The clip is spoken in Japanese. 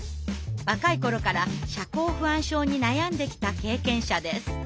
若い頃から社交不安症に悩んできた経験者です。